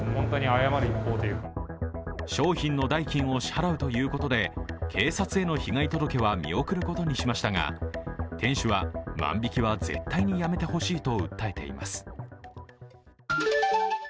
商品の代金を支払うということで警察への被害届は見送ることにしましたが店主は、万引きは絶対にやめてほしいと訴えています。